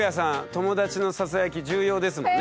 友達のささやき重要ですもんね。